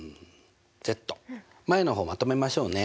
前の方まとめましょうね。